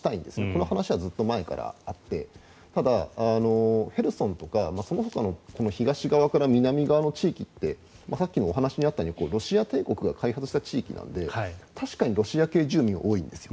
この話はずっと前からあってただ、ヘルソンとかそのほかの東側から南側の地域ってさっきのお話にあったようにロシア帝国が開発した地域なので確かにロシア系住民は多いんです。